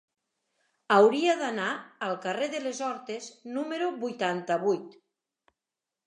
Hauria d'anar al carrer de les Hortes número vuitanta-vuit.